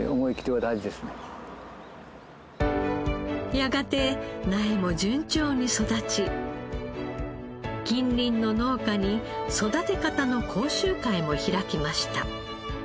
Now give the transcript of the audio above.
やがて苗も順調に育ち近隣の農家に育て方の講習会も開きました。